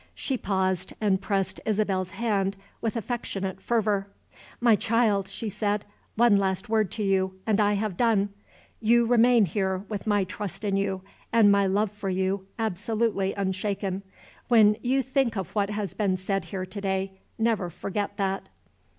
She paused, and pressed Isabel's hand with affectionate fervor. "My child," she said, "one last word to you, and I have done. You remain here, with my trust in you, and my love for you, absolutely unshaken. When you think of what has been said here to day, never forget that."